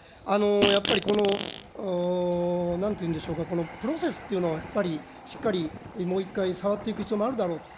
やっぱりこの、なんていうんでしょうか、このプロセスっていうのをやっぱりしっかりもう一回、触っていく必要もあるだろうと。